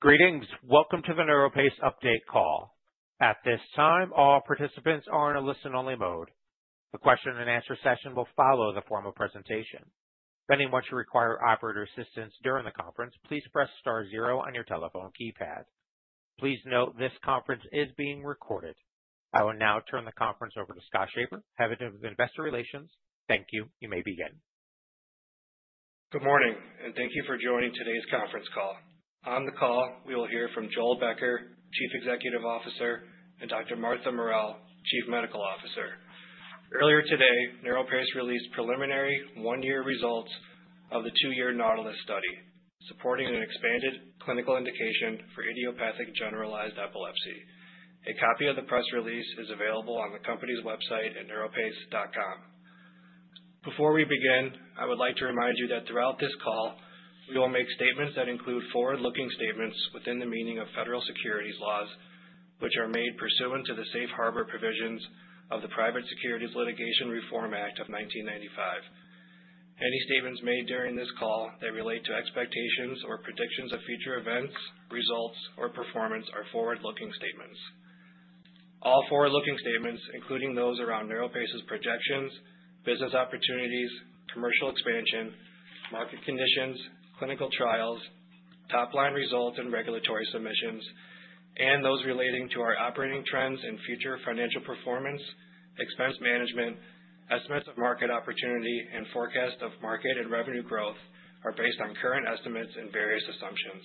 Greetings. Welcome to the NeuroPace Update Call. At this time, all participants are in a listen-only mode. The question-and-answer session will follow the formal presentation. If anyone should require operator assistance during the conference, please press star zero on your telephone keypad. Please note this conference is being recorded. I will now turn the conference over to Scott Schaper, Head of Investor Relations. Thank you. You may begin. Good morning, and thank you for joining today's conference call. On the call, we will hear from Joel Becker, Chief Executive Officer, and Dr. Martha Morrell, Chief Medical Officer. Earlier today, NeuroPace released preliminary one-year results of the two-year NAUTILUS study, supporting an expanded clinical indication for idiopathic generalized epilepsy. A copy of the press release is available on the company's website at neuropace.com. Before we begin, I would like to remind you that throughout this call, we will make statements that include forward-looking statements within the meaning of federal securities laws, which are made pursuant to the safe harbor provisions of the Private Securities Litigation Reform Act of 1995. Any statements made during this call that relate to expectations or predictions of future events, results, or performance are forward-looking statements. All forward-looking statements, including those around NeuroPace's projections, business opportunities, commercial expansion, market conditions, clinical trials, top-line results and regulatory submissions, and those relating to our operating trends and future financial performance, expense management, estimates of market opportunity, and forecast of market and revenue growth, are based on current estimates and various assumptions.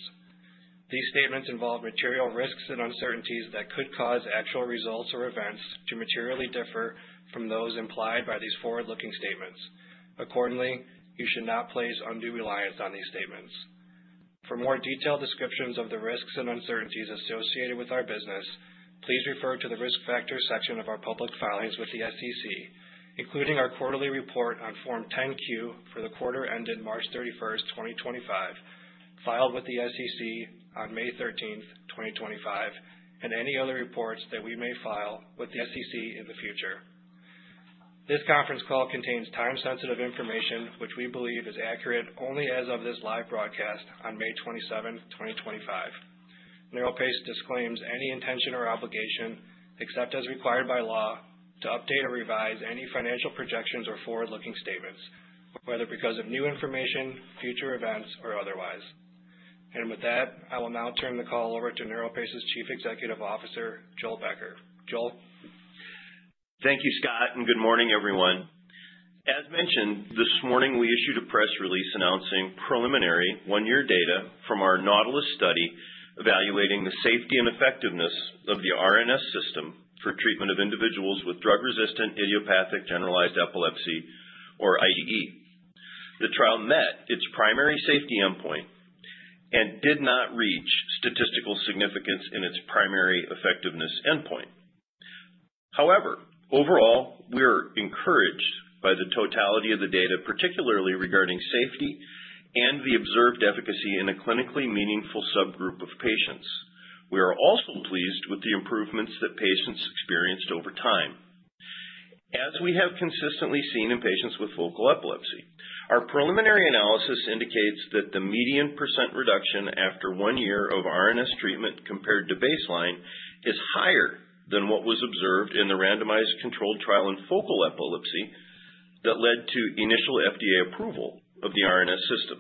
These statements involve material risks and uncertainties that could cause actual results or events to materially differ from those implied by these forward-looking statements. Accordingly, you should not place undue reliance on these statements. For more detailed descriptions of the risks and uncertainties associated with our business, please refer to the risk factor section of our public filings with the SEC, including our quarterly report on Form 10-Q for the quarter ended March 31, 2025, filed with the SEC on May 13, 2025, and any other reports that we may file with the SEC in the future. This conference call contains time-sensitive information, which we believe is accurate only as of this live broadcast on May 27th, 2025. NeuroPace disclaims any intention or obligation, except as required by law, to update or revise any financial projections or forward-looking statements, whether because of new information, future events, or otherwise. With that, I will now turn the call over to NeuroPace's Chief Executive Officer, Joel Becker. Joel. Thank you, Scott, and good morning, everyone. As mentioned, this morning we issued a press release announcing preliminary one-year data from our NAUTILUS trial evaluating the safety and effectiveness of the RNS System for treatment of individuals with drug-resistant idiopathic generalized epilepsy, or IGE. The trial met its primary safety endpoint and did not reach statistical significance in its primary effectiveness endpoint. However, overall, we are encouraged by the totality of the data, particularly regarding safety and the observed efficacy in a clinically meaningful subgroup of patients. We are also pleased with the improvements that patients experienced over time. As we have consistently seen in patients with focal epilepsy, our preliminary analysis indicates that the median percent reduction after one year of RNS treatment compared to baseline is higher than what was observed in the randomized controlled trial in focal epilepsy that led to initial FDA approval of the RNS System.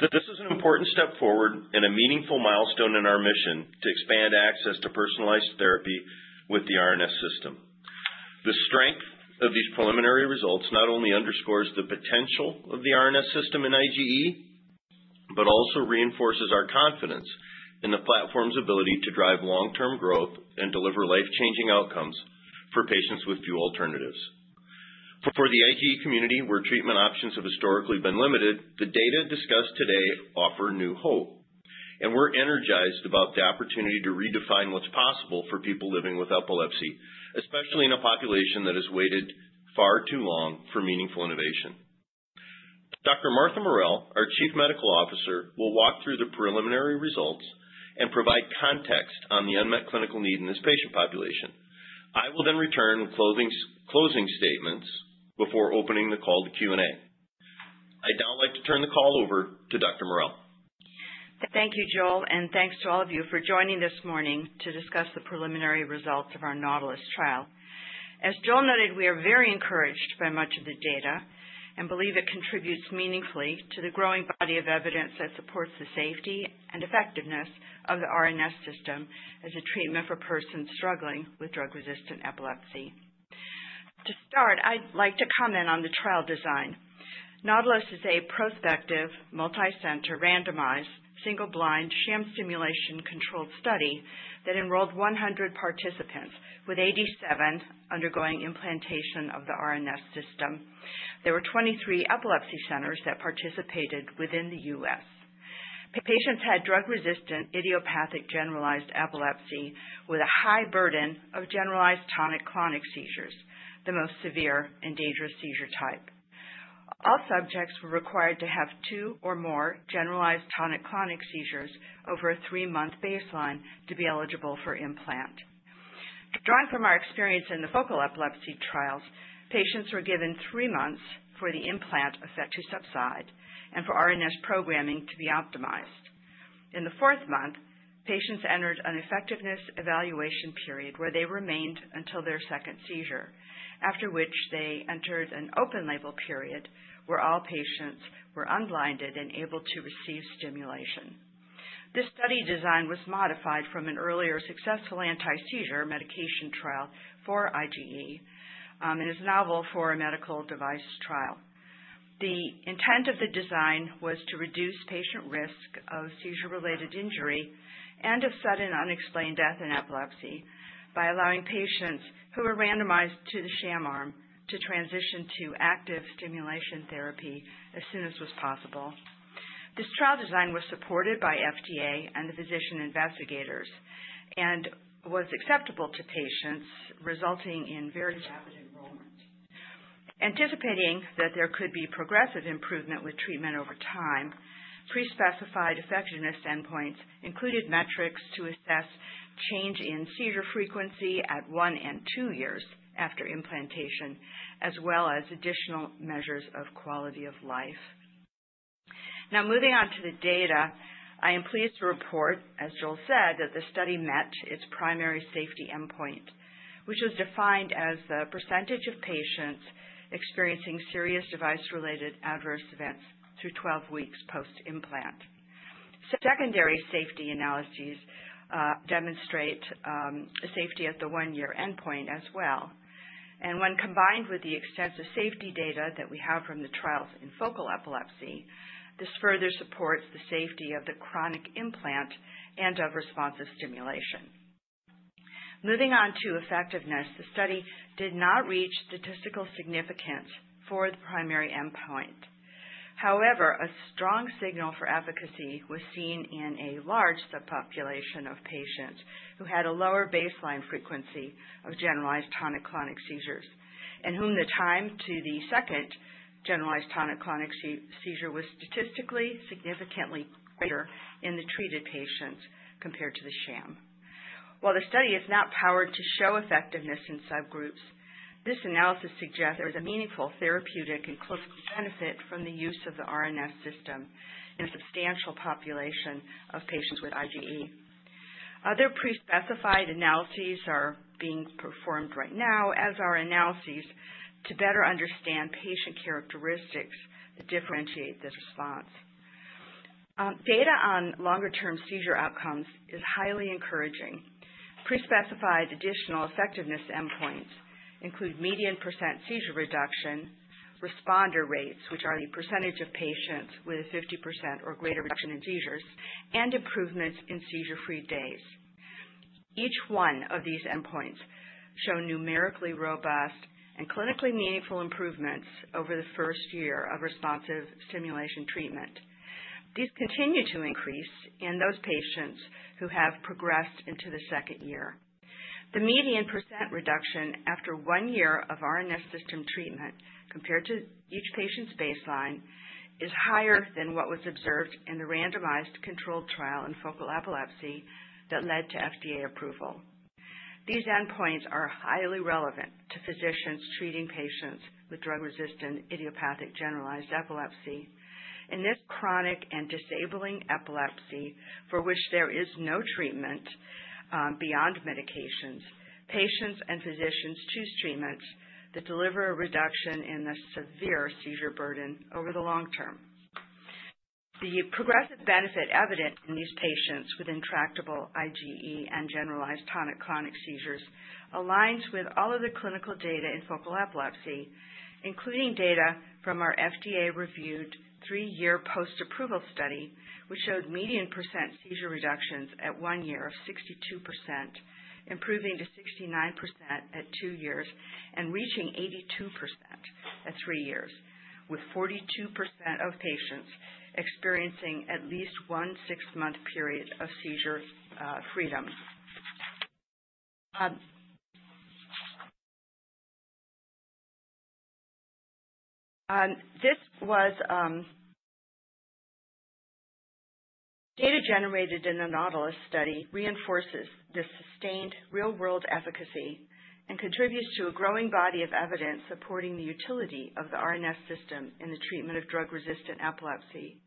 This is an important step forward and a meaningful milestone in our mission to expand access to personalized therapy with the RNS System. The strength of these preliminary results not only underscores the potential of the RNS System in IGE, but also reinforces our confidence in the platform's ability to drive long-term growth and deliver life-changing outcomes for patients with few alternatives. For the IGE community, where treatment options have historically been limited, the data discussed today offer new hope. We are energized about the opportunity to redefine what is possible for people living with epilepsy, especially in a population that has waited far too long for meaningful innovation. Dr. Martha Morrell, our Chief Medical Officer, will walk through the preliminary results and provide context on the unmet clinical need in this patient population. I will then return with closing statements before opening the call to Q&A. I would now like to turn the call over to Dr. Morrell. Thank you, Joel, and thanks to all of you for joining this morning to discuss the preliminary results of our NAUTILUS trial. As Joel noted, we are very encouraged by much of the data and believe it contributes meaningfully to the growing body of evidence that supports the safety and effectiveness of the RNS System as a treatment for persons struggling with drug-resistant epilepsy. To start, I'd like to comment on the trial design. NAUTILUS is a prospective, multi-center, randomized, single-blind, sham-simulation-controlled study that enrolled 100 participants, with 87 undergoing implantation of the RNS System. There were 23 epilepsy centers that participated within the U.S. Patients had drug-resistant idiopathic generalized epilepsy with a high burden of generalized tonic-clonic seizures, the most severe and dangerous seizure type. All subjects were required to have two or more generalized tonic-clonic seizures over a three-month baseline to be eligible for implant. Drawing from our experience in the focal epilepsy trials, patients were given three months for the implant effect to subside and for RNS programming to be optimized. In the fourth month, patients entered an effectiveness evaluation period where they remained until their second seizure, after which they entered an open-label period where all patients were unblinded and able to receive stimulation. This study design was modified from an earlier successful anti-seizure medication trial for IGE and is novel for a medical device trial. The intent of the design was to reduce patient risk of seizure-related injury and of sudden unexplained death in epilepsy by allowing patients who were randomized to the sham arm to transition to active stimulation therapy as soon as was possible. This trial design was supported by FDA and the physician investigators and was acceptable to patients, resulting in very rapid enrollment. Anticipating that there could be progressive improvement with treatment over time, pre-specified effectiveness endpoints included metrics to assess change in seizure frequency at one and two years after implantation, as well as additional measures of quality of life. Now, moving on to the data, I am pleased to report, as Joel said, that the study met its primary safety endpoint, which was defined as the percentage of patients experiencing serious device-related adverse events through 12 weeks post-implant. Secondary safety analysis demonstrate safety at the one-year endpoint as well. When combined with the extensive safety data that we have from the trials in focal epilepsy, this further supports the safety of the chronic implant and of responsive stimulation. Moving on to effectiveness, the study did not reach statistical significance for the primary endpoint. However, a strong signal for efficacy was seen in a large subpopulation of patients who had a lower baseline frequency of generalized tonic-clonic seizures and whom the time to the second generalized tonic-clonic seizure was statistically significantly greater in the treated patients compared to the sham. While the study is not powered to show effectiveness in subgroups, this analyses suggests there is a meaningful therapeutic and clinical benefit from the use of the RNS System in a substantial population of patients with IGE. Other pre-specified analyses are being performed right now as are analyses to better understand patient characteristics that differentiate this response. Data on longer-term seizure outcomes is highly encouraging. Pre-specified additional effectiveness endpoints include median percent seizure reduction, responder rates, which are the percentage of patients with a 50% or greater reduction in seizures, and improvements in seizure-free days. Each one of these endpoints shows numerically robust and clinically meaningful improvements over the first year of responsive stimulation treatment. These continue to increase in those patients who have progressed into the second year. The median percent reduction after one year of RNS System treatment compared to each patient's baseline is higher than what was observed in the randomized controlled trial in focal epilepsy that led to FDA approval. These endpoints are highly relevant to physicians treating patients with drug-resistant idiopathic generalized epilepsy. In this chronic and disabling epilepsy for which there is no treatment beyond medications, patients and physicians choose treatments that deliver a reduction in the severe seizure burden over the long term. The progressive benefit evident in these patients with intractable IGE and generalized tonic-clonic seizures aligns with all of the clinical data in focal epilepsy, including data from our FDA-reviewed three-year post-approval study, which showed median percent seizure reductions at one year of 62%, improving to 69% at two years, and reaching 82% at three years, with 42% of patients experiencing at least one six-month period of seizure freedom. This was data generated in the NAUTILUS trial reinforces the sustained real-world efficacy and contributes to a growing body of evidence supporting the utility of the RNS System in the treatment of drug-resistant epilepsy.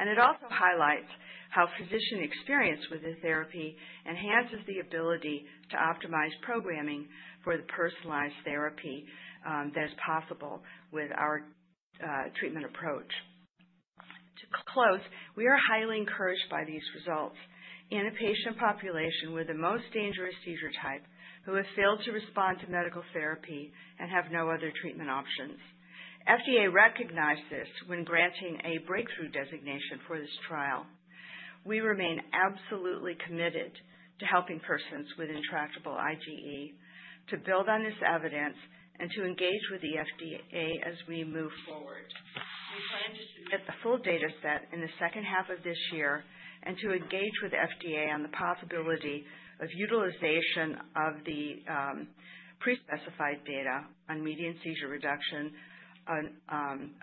It also highlights how physician experience with the therapy enhances the ability to optimize programming for the personalized therapy that is possible with our treatment approach. To close, we are highly encouraged by these results in a patient population with the most dangerous seizure type who have failed to respond to medical therapy and have no other treatment options. FDA recognized this when granting a Breakthrough Designation for this trial. We remain absolutely committed to helping persons with intractable IGE, to build on this evidence, and to engage with the FDA as we move forward. We plan to submit the full data set in the second half of this year and to engage with FDA on the possibility of utilization of the pre-specified data on median seizure reduction,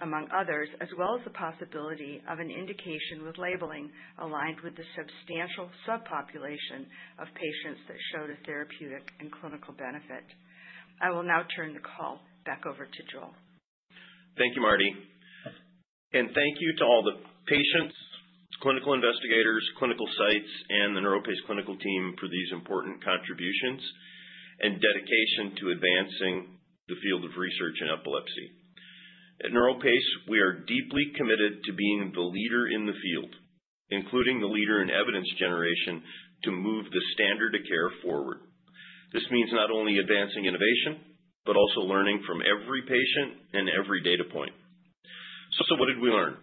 among others, as well as the possibility of an indication with labeling aligned with the substantial subpopulation of patients that showed a therapeutic and clinical benefit. I will now turn the call back over to Joel. Thank you, Marty. Thank you to all the patients, clinical investigators, clinical sites, and the NeuroPace clinical team for these important contributions and dedication to advancing the field of research in epilepsy. At NeuroPace, we are deeply committed to being the leader in the field, including the leader in evidence generation, to move the standard of care forward. This means not only advancing innovation, but also learning from every patient and every data point. What did we learn?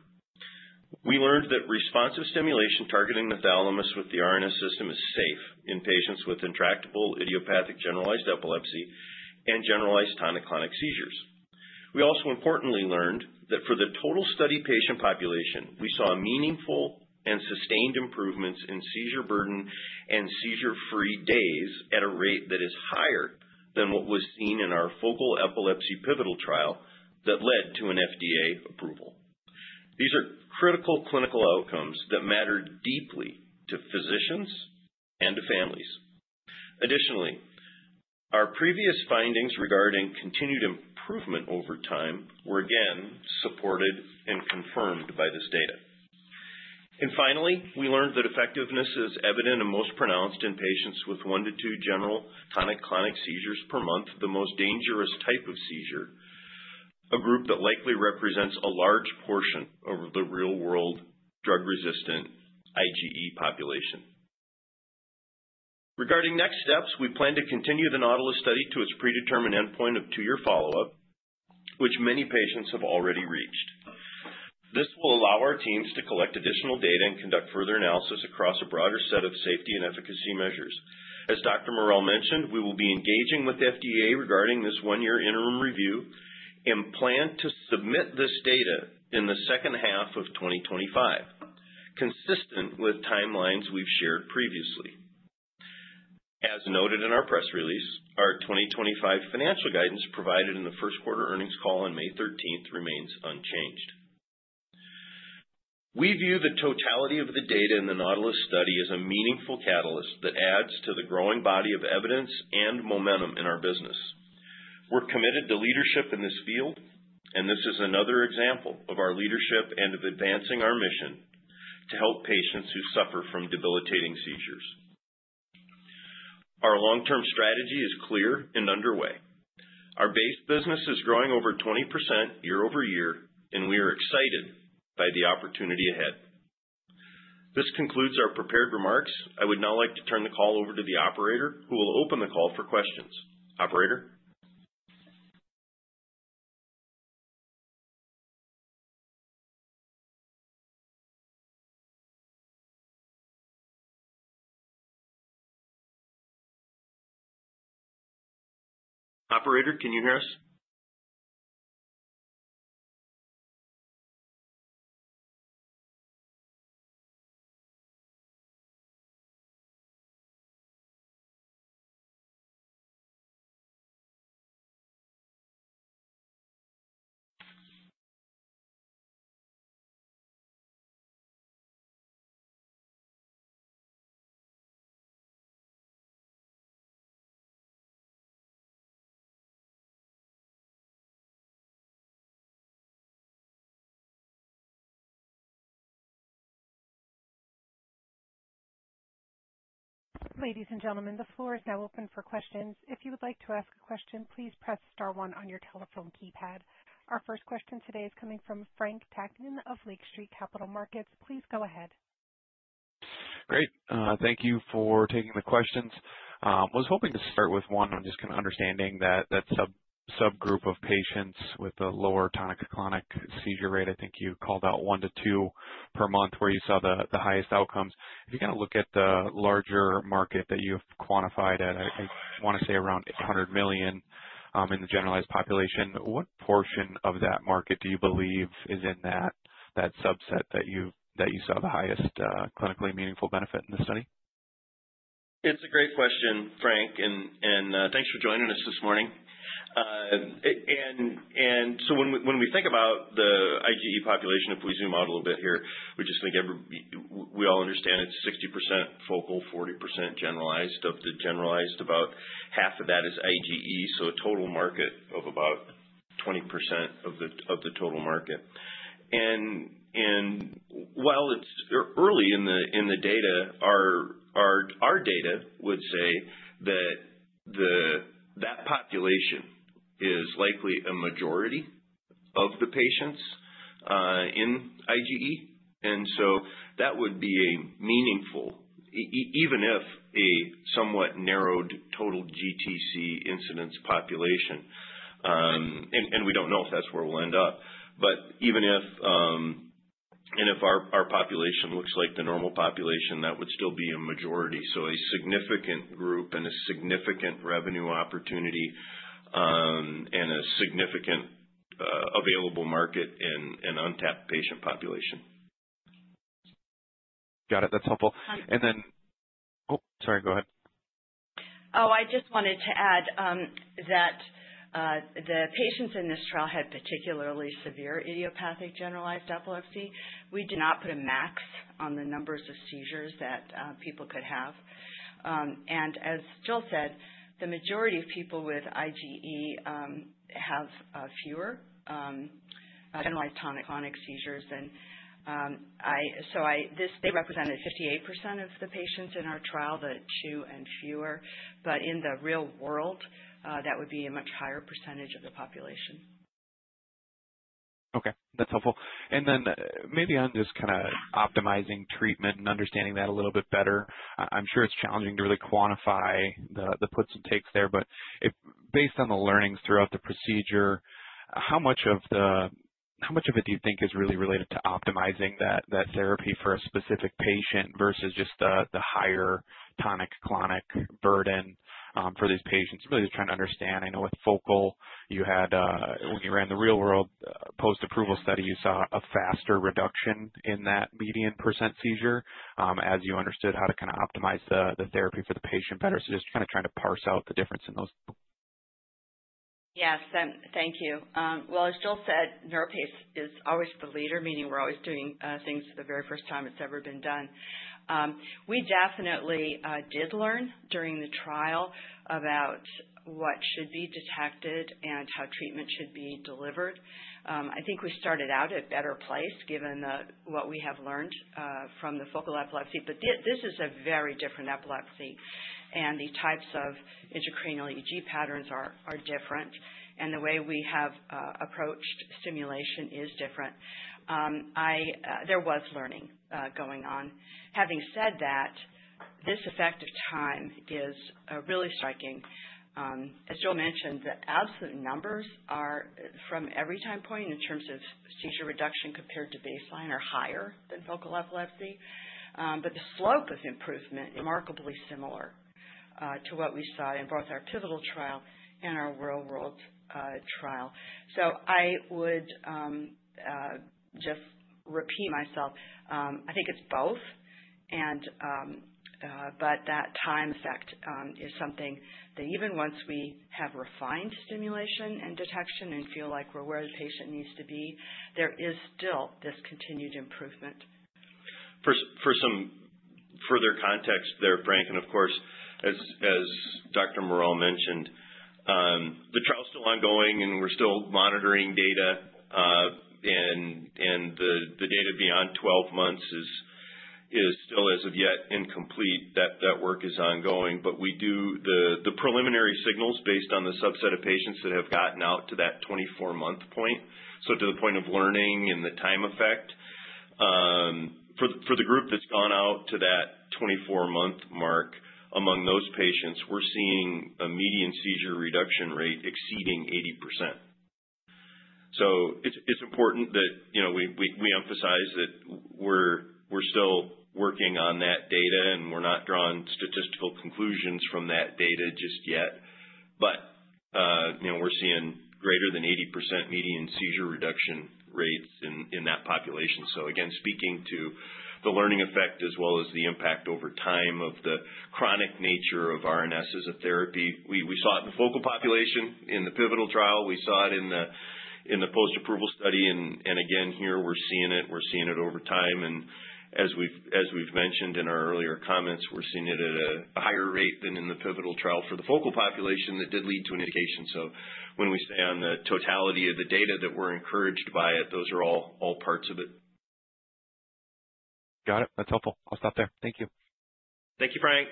We learned that responsive stimulation targeting the thalamus with the RNS System is safe in patients with intractable idiopathic generalized epilepsy and generalized tonic-clonic seizures. We also importantly learned that for the total study patient population, we saw meaningful and sustained improvements in seizure burden and seizure-free days at a rate that is higher than what was seen in our focal epilepsy pivotal trial that led to an FDA approval. These are critical clinical outcomes that matter deeply to physicians and to families. Additionally, our previous findings regarding continued improvement over time were again supported and confirmed by this data. Finally, we learned that effectiveness is evident and most pronounced in patients with one to two generalized tonic-clonic seizures per month, the most dangerous type of seizure, a group that likely represents a large portion of the real-world drug-resistant IGE population. Regarding next steps, we plan to continue the NAUTILUS trial to its predetermined endpoint of two-year follow-up, which many patients have already reached. This will allow our teams to collect additional data and conduct further analysis across a broader set of safety and efficacy measures. As Dr. Morrell mentioned, we will be engaging with the FDA regarding this one-year interim review and plan to submit this data in the second half of 2025, consistent with timelines we've shared previously. As noted in our press release, our 2025 financial guidance provided in the first quarter earnings call on May 13th remains unchanged. We view the totality of the data in the NAUTILUS study as a meaningful catalyst that adds to the growing body of evidence and momentum in our business. We're committed to leadership in this field, and this is another example of our leadership and of advancing our mission to help patients who suffer from debilitating seizures. Our long-term strategy is clear and underway. Our base business is growing over 20% year-over-year, and we are excited by the opportunity ahead. This concludes our prepared remarks. I would now like to turn the call over to the operator, who will open the call for questions. Operator? Operator, can you hear us? Ladies and gentlemen, the floor is now open for questions. If you would like to ask a question, please press star one on your telephone keypad. Our first question today is coming from Frank Takkinen of Lake Street Capital Markets. Please go ahead. Great. Thank you for taking the questions. I was hoping to start with one on just kind of understanding that subgroup of patients with the lower tonic-clonic seizure rate. I think you called out one to two per month where you saw the highest outcomes. If you kind of look at the larger market that you've quantified at, I want to say around $800 million in the generalized population, what portion of that market do you believe is in that subset that you saw the highest clinically meaningful benefit in the study? It's a great question, Frank, and thanks for joining us this morning. When we think about the IGE population, if we zoom out a little bit here, we just think we all understand it's 60% focal, 40% generalized. Of the generalized, about half of that is IGE, so a total market of about 20% of the total market. While it's early in the data, our data would say that that population is likely a majority of the patients in IGE. That would be a meaningful, even if a somewhat narrowed total GTC incidence population, and we don't know if that's where we'll end up. Even if our population looks like the normal population, that would still be a majority. A significant group and a significant revenue opportunity and a significant available market and untapped patient population. Got it. That's helpful. Oh, sorry, go ahead. Oh, I just wanted to add that the patients in this trial had particularly severe idiopathic generalized epilepsy. We did not put a max on the numbers of seizures that people could have. As Joel said, the majority of people with IGE have fewer generalized tonic-clonic seizures. They represented 58% of the patients in our trial, the two and fewer. In the real world, that would be a much higher percentage of the population. Okay. That's helpful. Maybe on just kind of optimizing treatment and understanding that a little bit better, I'm sure it's challenging to really quantify the puts and takes there. Based on the learnings throughout the procedure, how much of it do you think is really related to optimizing that therapy for a specific patient versus just the higher tonic-clonic burden for these patients? Really just trying to understand. I know with focal, you had, when you ran the real-world post-approval study, you saw a faster reduction in that median percent seizure as you understood how to kind of optimize the therapy for the patient better. Just kind of trying to parse out the difference in those. Yes. Thank you. As Joel said, NeuroPace is always the leader, meaning we're always doing things the very first time it's ever been done. We definitely did learn during the trial about what should be detected and how treatment should be delivered. I think we started out at a better place given what we have learned from the focal epilepsy. This is a very different epilepsy, and the types of intracranial EEG patterns are different. The way we have approached stimulation is different. There was learning going on. Having said that, this effect of time is really striking. As Joel mentioned, the absolute numbers from every time point in terms of seizure reduction compared to baseline are higher than focal epilepsy. The slope of improvement is remarkably similar to what we saw in both our pivotal trial and our real-world trial. I would just repeat myself. I think it's both. That time effect is something that even once we have refined stimulation and detection and feel like we're where the patient needs to be, there is still this continued improvement. For some further context there, Frank, and of course, as Dr. Morrell mentioned, the trial's still ongoing, and we're still monitoring data. The data beyond 12 months is still, as of yet, incomplete. That work is ongoing. The preliminary signals based on the subset of patients that have gotten out to that 24-month point, to the point of learning and the time effect, for the group that's gone out to that 24-month mark, among those patients, we're seeing a median seizure reduction rate exceeding 80%. It is important that we emphasize that we're still working on that data, and we're not drawing statistical conclusions from that data just yet. We're seeing greater than 80% median seizure reduction rates in that population. Again, speaking to the learning effect as well as the impact over time of the chronic nature of RNS as a therapy, we saw it in the focal population in the pivotal trial. We saw it in the post-approval study. Again, here we're seeing it. We're seeing it over time. As we've mentioned in our earlier comments, we're seeing it at a higher rate than in the pivotal trial for the focal population that did lead to an indication. When we say on the totality of the data that we're encouraged by it, those are all parts of it. Got it. That's helpful. I'll stop there. Thank you. Thank you, Frank.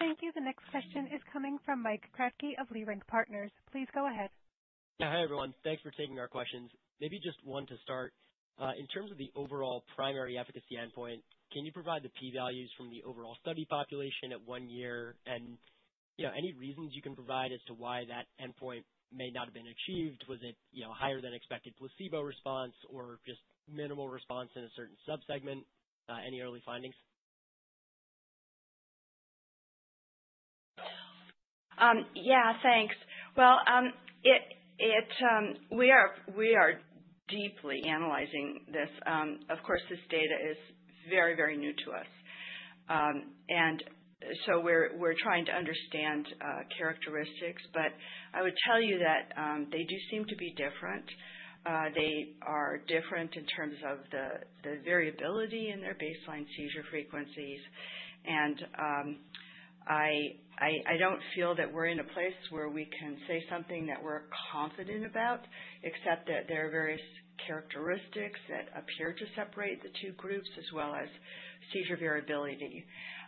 Thank you. The next question is coming from Mike Kratky of Leerink Partners. Please go ahead. Yeah. Hi, everyone. Thanks for taking our questions. Maybe just one to start. In terms of the overall primary efficacy endpoint, can you provide the p-values from the overall study population at one year? Any reasons you can provide as to why that endpoint may not have been achieved? Was it higher than expected placebo response or just minimal response in a certain subsegment? Any early findings? Yeah. Thanks. We are deeply analyzing this. Of course, this data is very, very new to us. We are trying to understand characteristics. I would tell you that they do seem to be different. They are different in terms of the variability in their baseline seizure frequencies. I do not feel that we are in a place where we can say something that we are confident about, except that there are various characteristics that appear to separate the two groups as well as seizure variability.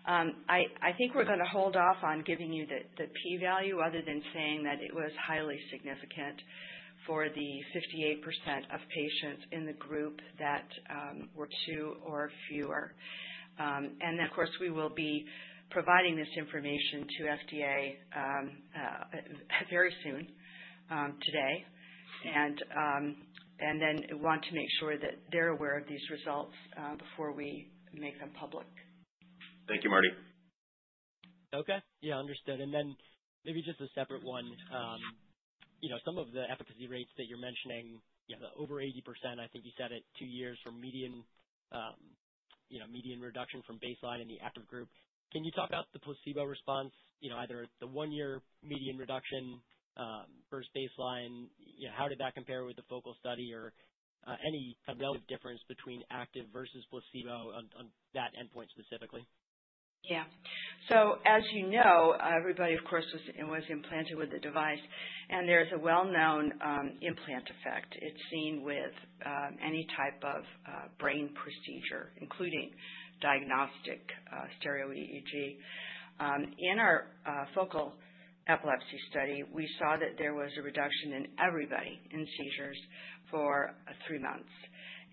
I think we are going to hold off on giving you the p-value other than saying that it was highly significant for the 58% of patients in the group that were two or fewer. Of course, we will be providing this information to FDA very soon today. We want to make sure that they're aware of these results before we make them public. Thank you, Marty. Okay. Yeah. Understood. Maybe just a separate one. Some of the efficacy rates that you're mentioning, over 80%, I think you said at two years for median reduction from baseline in the active group. Can you talk about the placebo response, either the one-year median reduction versus baseline? How did that compare with the focal study or any kind of relative difference between active versus placebo on that endpoint specifically? Yeah. As you know, everybody, of course, was implanted with the device. There is a well-known implant effect. It is seen with any type of brain procedure, including diagnostic stereo EEG. In our focal epilepsy study, we saw that there was a reduction in everybody in seizures for three months.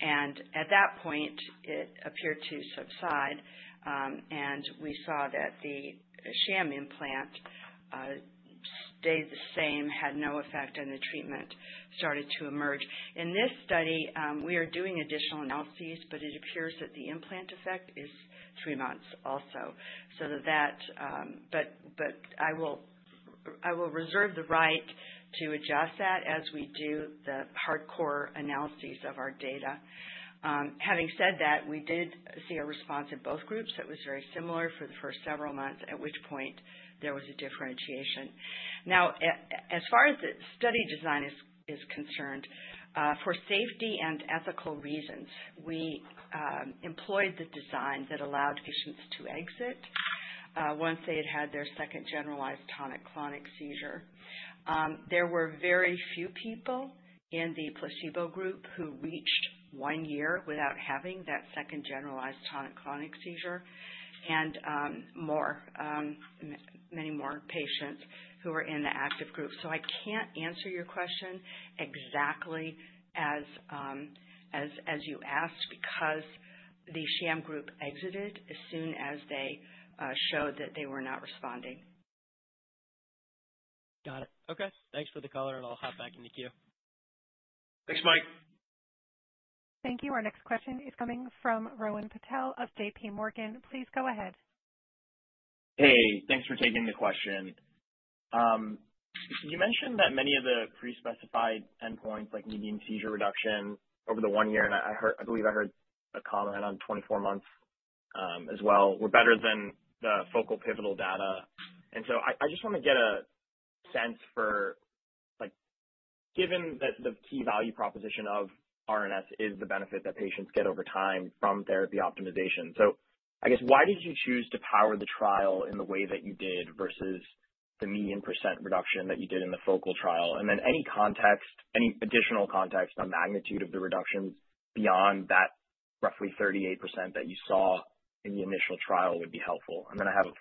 At that point, it appeared to subside. We saw that the sham implant stayed the same, had no effect, and the treatment started to emerge. In this study, we are doing additional analyses, but it appears that the implant effect is three months also. I will reserve the right to adjust that as we do the hardcore analyses of our data. Having said that, we did see a response in both groups that was very similar for the first several months, at which point there was a differentiation. Now, as far as the study design is concerned, for safety and ethical reasons, we employed the design that allowed patients to exit once they had had their second generalized tonic-clonic seizure. There were very few people in the placebo group who reached one year without having that second generalized tonic-clonic seizure and many more patients who were in the active group. I can't answer your question exactly as you asked because the sham group exited as soon as they showed that they were not responding. Got it. Okay. Thanks for the caller, and I'll hop back into Q. Thanks, Mike. Thank you. Our next question is coming from Rohan Patel of J.P. Morgan. Please go ahead. Hey. Thanks for taking the question. You mentioned that many of the pre-specified endpoints like median seizure reduction over the one year—and I believe I heard a comment on 24 months as well—were better than the focal pivotal data. I just want to get a sense for given that the key value proposition of RNS is the benefit that patients get over time from therapy optimization. I guess, why did you choose to power the trial in the way that you did versus the median percent reduction that you did in the focal trial? Any additional context on magnitude of the reductions beyond that roughly 38% that you saw in the initial trial would be helpful. I have a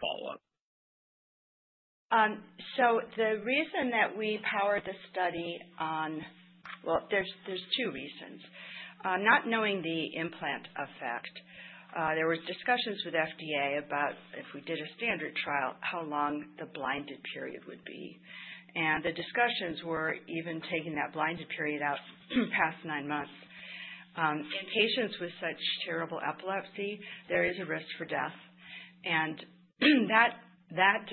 follow-up. The reason that we powered the study on, well, there are two reasons. Not knowing the implant effect, there were discussions with the FDA about if we did a standard trial, how long the blinded period would be. The discussions were even taking that blinded period out past nine months. In patients with such terrible epilepsy, there is a risk for death. That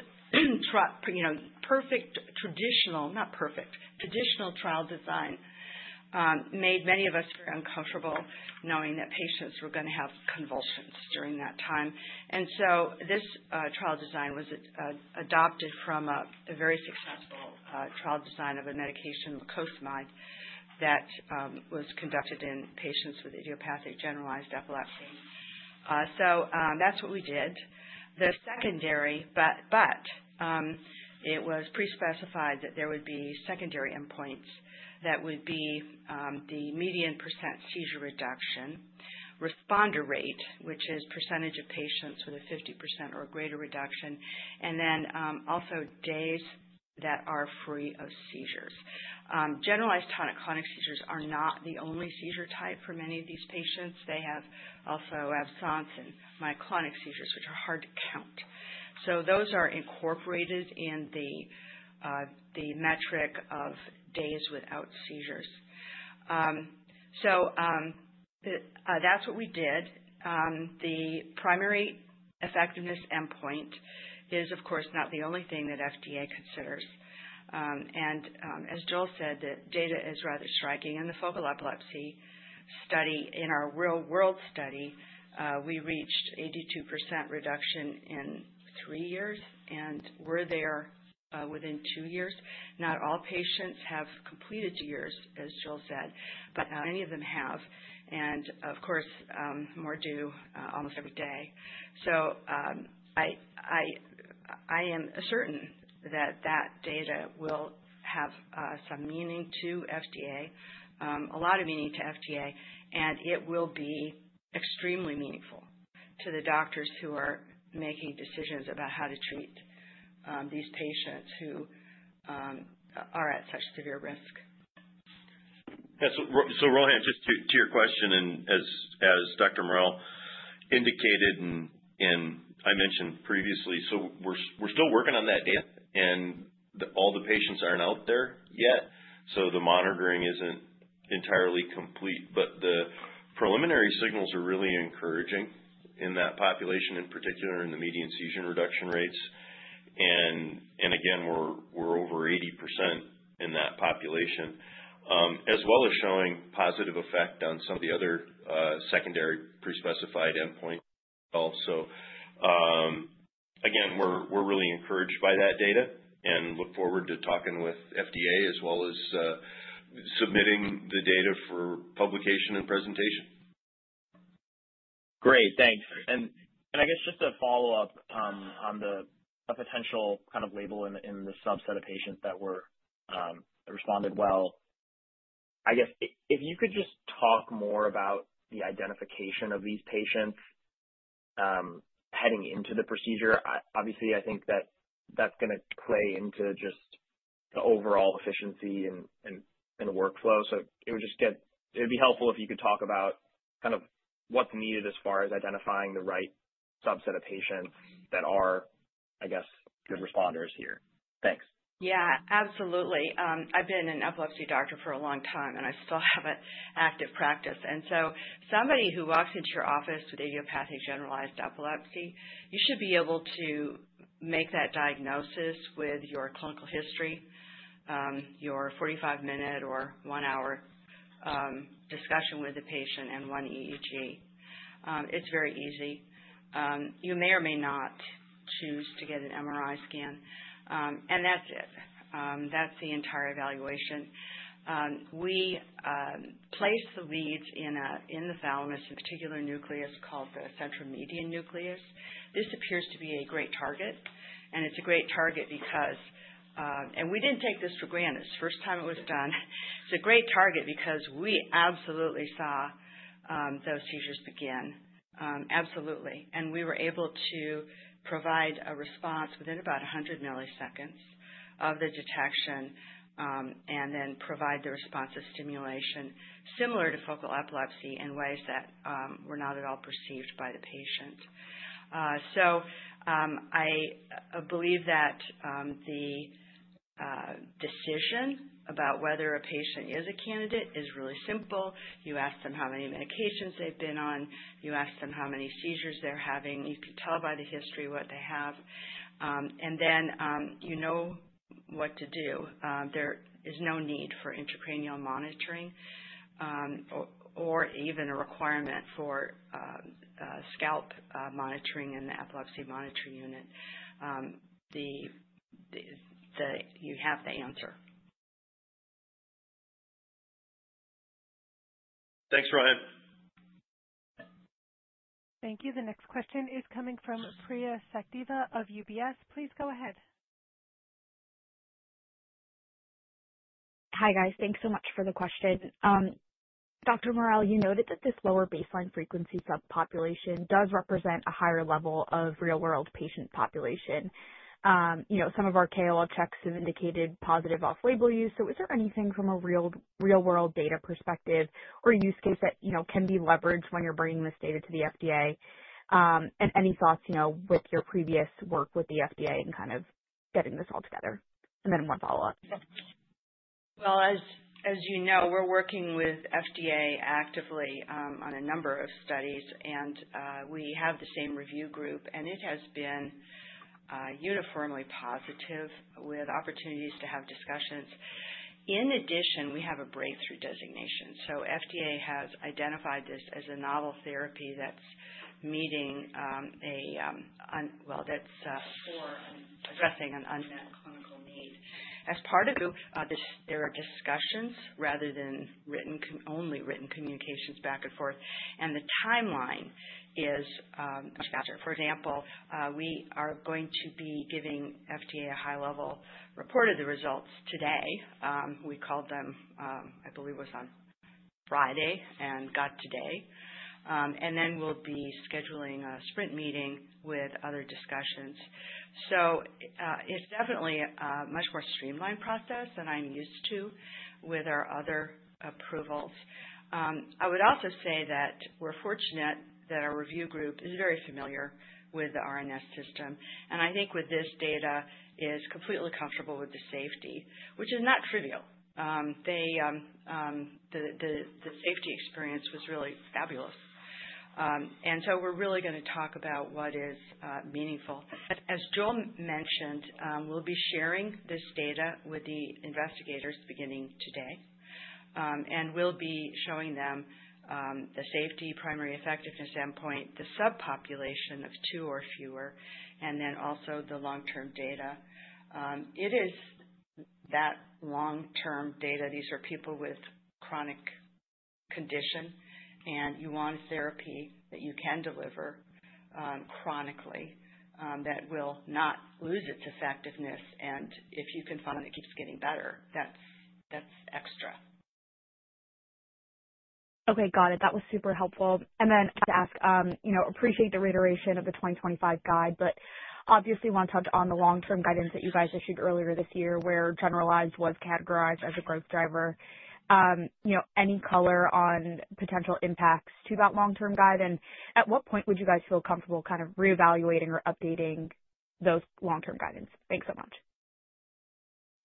traditional trial design made many of us very uncomfortable knowing that patients were going to have convulsions during that time. This trial design was adopted from a very successful trial design of a medication, lacosamide, that was conducted in patients with idiopathic generalized epilepsy. That is what we did. The secondary, but it was pre-specified that there would be secondary endpoints that would be the median percent seizure reduction, responder rate, which is percentage of patients with a 50% or greater reduction, and then also days that are free of seizures. Generalized tonic-clonic seizures are not the only seizure type for many of these patients. They also have SOMS and myoclonic seizures, which are hard to count. Those are incorporated in the metric of days without seizures. That is what we did. The primary effectiveness endpoint is, of course, not the only thing that FDA considers. As Joel said, the data is rather striking. In the focal epilepsy study, in our real-world study, we reached 82% reduction in three years and were there within two years. Not all patients have completed two years, as Joel said, but many of them have. Of course, more do almost every day. I am certain that that data will have some meaning to FDA, a lot of meaning to FDA, and it will be extremely meaningful to the doctors who are making decisions about how to treat these patients who are at such severe risk. Rowan, just to your question, and as Dr. Morrell indicated, and I mentioned previously, we're still working on that data, and all the patients aren't out there yet. The monitoring isn't entirely complete. The preliminary signals are really encouraging in that population, in particular in the median seizure reduction rates. Again, we're over 80% in that population, as well as showing positive effect on some of the other secondary pre-specified endpoints. Again, we're really encouraged by that data and look forward to talking with FDA as well as submitting the data for publication and presentation. Great. Thanks. I guess just a follow-up on the potential kind of label in the subset of patients that responded well. I guess if you could just talk more about the identification of these patients heading into the procedure. Obviously, I think that that's going to play into just the overall efficiency and workflow. It would be helpful if you could talk about kind of what's needed as far as identifying the right subset of patients that are, I guess, good responders here. Thanks. Yeah. Absolutely. I've been an epilepsy doctor for a long time, and I still have an active practice. Somebody who walks into your office with idiopathic generalized epilepsy, you should be able to make that diagnosis with your clinical history, your 45-minute or one-hour discussion with the patient, and one EEG. It's very easy. You may or may not choose to get an MRI scan. That's it. That's the entire evaluation. We placed the leads in the thalamus, a particular nucleus called the central median nucleus. This appears to be a great target. It's a great target because—we didn't take this for granted. It's the first time it was done. It's a great target because we absolutely saw those seizures begin. Absolutely. We were able to provide a response within about 100 milliseconds of the detection and then provide the response of stimulation similar to focal epilepsy in ways that were not at all perceived by the patient. I believe that the decision about whether a patient is a candidate is really simple. You ask them how many medications they've been on. You ask them how many seizures they're having. You can tell by the history what they have. Then you know what to do. There is no need for intracranial monitoring or even a requirement for scalp monitoring in the epilepsy monitoring unit. You have the answer. Thanks, Rowan. Thank you. The next question is coming from Priya Sachdeva of UBS. Please go ahead. Hi, guys. Thanks so much for the question. Dr. Morrell, you noted that this lower baseline frequency subpopulation does represent a higher level of real-world patient population. Some of our KOL checks have indicated positive off-label use. Is there anything from a real-world data perspective or use case that can be leveraged when you're bringing this data to the FDA? Any thoughts with your previous work with the FDA and kind of getting this all together? One follow-up. As you know, we're working with FDA actively on a number of studies. We have the same review group, and it has been uniformly positive with opportunities to have discussions. In addition, we have a breakthrough designation. FDA has identified this as a novel therapy that's meeting a—well, that's for addressing an unmet clinical need. As part of this, there are discussions rather than only written communications back and forth, and the timeline is much faster. For example, we are going to be giving FDA a high-level report of the results today. We called them, I believe it was on Friday, and got today. We will be scheduling a sprint meeting with other discussions. It is definitely a much more streamlined process than I'm used to with our other approvals. I would also say that we're fortunate that our review group is very familiar with the RNS System. I think with this data, is completely comfortable with the safety, which is not trivial. The safety experience was really fabulous. We are really going to talk about what is meaningful. As Joel mentioned, we'll be sharing this data with the investigators beginning today. We'll be showing them the safety, primary effectiveness endpoint, the subpopulation of two or fewer, and then also the long-term data. It is that long-term data. These are people with chronic condition. You want a therapy that you can deliver chronically that will not lose its effectiveness. If you can find that it keeps getting better, that's extra. Okay. Got it. That was super helpful. To ask, appreciate the reiteration of the 2025 guide, but obviously want to touch on the long-term guidance that you guys issued earlier this year where generalized was categorized as a growth driver. Any color on potential impacts to that long-term guide? At what point would you guys feel comfortable kind of reevaluating or updating those long-term guidance? Thanks so much.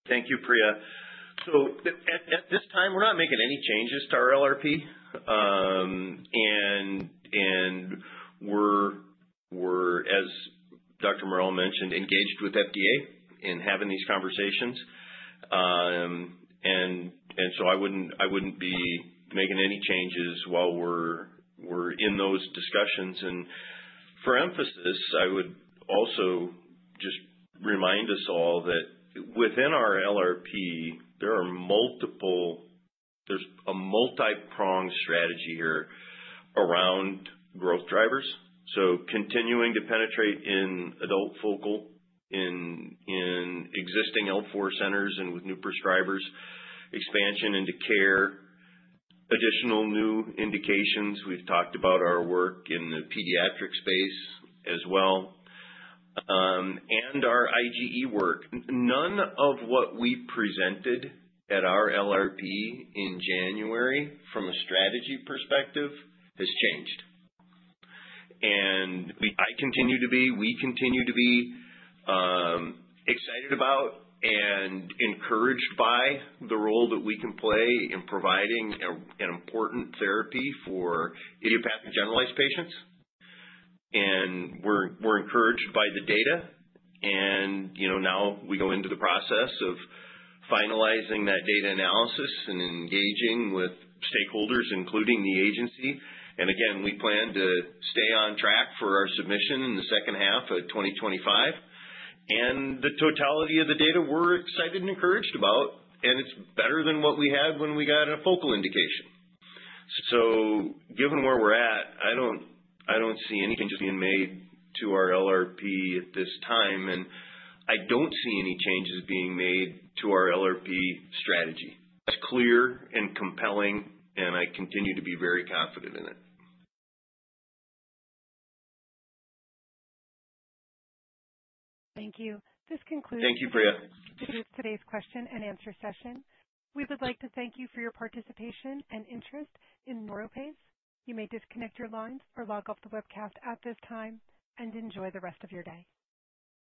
Thank you, Priya. At this time, we're not making any changes to our LRP. We're, as Dr. Morrell mentioned, engaged with FDA in having these conversations. I wouldn't be making any changes while we're in those discussions. For emphasis, I would also just remind us all that within our LRP, there is a multi-pronged strategy here around growth drivers. Continuing to penetrate in adult focal, in existing L4 centers and with new prescribers, expansion into care, additional new indications. We've talked about our work in the pediatric space as well and our IGE work. None of what we presented at our LRP in January from a strategy perspective has changed. I continue to be—we continue to be excited about and encouraged by the role that we can play in providing an important therapy for idiopathic generalized patients. We are encouraged by the data. Now we go into the process of finalizing that data analysis and engaging with stakeholders, including the agency. We plan to stay on track for our submission in the second half of 2025. The totality of the data, we are excited and encouraged about. It is better than what we had when we got a focal indication. Given where we are at, I do not see any changes being made to our LRP at this time. I do not see any changes being made to our LRP strategy. It is clear and compelling. I continue to be very confident in it. Thank you. This concludes. Thank you, Priya. This is today's question and answer session. We would like to thank you for your participation and interest in NeuroPace. You may disconnect your lines or log off the webcast at this time and enjoy the rest of your day.